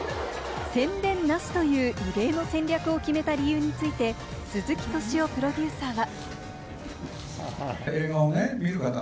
宣伝なしという異例の戦略を決めた理由について、鈴木敏夫プロデューサーは。